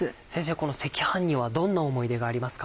この赤飯にはどんな思い出がありますか？